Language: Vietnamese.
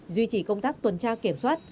duy trì công tác tuần tra kiểm soát